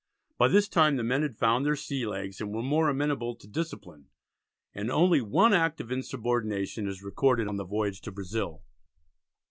By this time the men had found their sea legs and were more amenable to discipline, and only one act of insubordination is recorded on the voyage to Brazil.